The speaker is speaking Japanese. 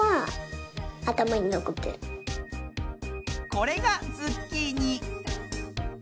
これがズッキーニ。